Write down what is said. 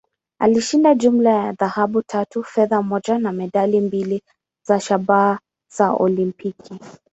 Alishinda jumla ya dhahabu tatu, fedha moja, na medali mbili za shaba za Olimpiki.